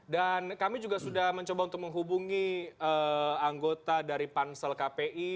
dan kami juga sudah mencoba untuk menghubungi anggota dari pansel kpi